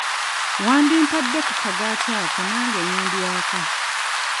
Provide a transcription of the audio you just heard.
Wandimpadde ku kagaati ako nange ne ndyako.